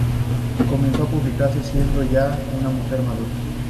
Comenzó a publicar siendo ya una mujer madura.